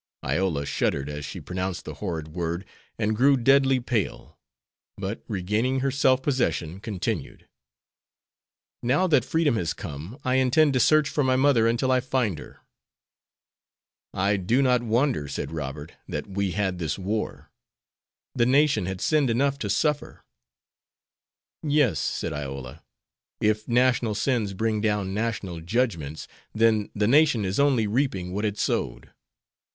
Iola shuddered as she pronounced the horrid word, and grew deadly pale; but, regaining her self possession, continued: "Now, that freedom has come, I intend to search for my mother until I find her." "I do not wonder," said Robert, "that we had this war. The nation had sinned enough to suffer." "Yes," said Iola, "if national sins bring down national judgments, then the nation is only reaping what it sowed."